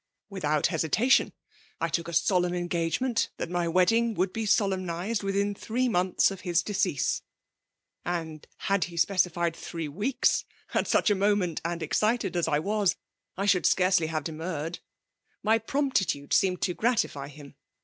''Without hesitation ! I took a solemn en gagement, that my wedding should be sokm tlized mthin three months of his decease ; and, had he specified three weeks, at such a moment; and excited as I was, I e&ould scarcely hava ^temurred. My promptitude seemed to gratify him.